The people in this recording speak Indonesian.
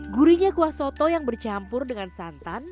gurinya kuah soto yang bercampur dengan santan